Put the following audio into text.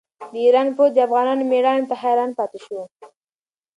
د ایران پوځ د افغانانو مېړانې ته حیران پاتې شو.